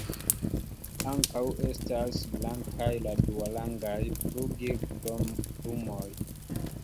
Ankaŭ estas blankaj la duarangaj flugilplumoj.